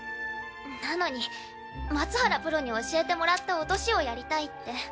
なのにマツハラプロに教えてもらった落としをやりたいって。